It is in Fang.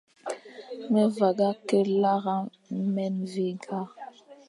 Me vagha ke lera memvegha,